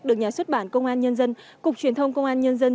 được nhà xuất bản công an nhân dân cục truyền thông công an nhân dân